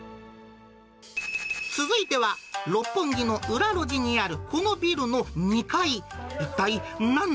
続いては、六本木の裏路地にある、このビルの２階。